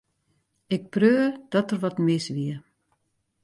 Ik preau dat der wat mis wie.